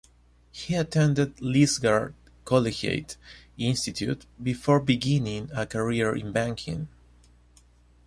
He attended Lisgar Collegiate Institute before beginning a career in banking.